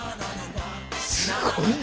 すごいな。